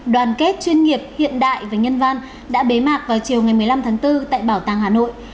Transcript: đoàn kết chuyên nghiệp hiện đại và nhân văn đã bế mạc vào chiều ngày một mươi năm tháng bốn tại bảo tàng hà nội